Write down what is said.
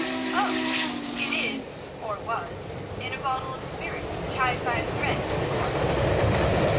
"Oh! it is, or was, in a bottle of spirits tied by a thread to the cork."